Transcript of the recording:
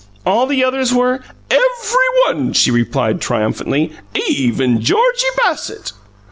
ALL the others were " "Every one!" she returned triumphantly. "Even Georgie Bassett!"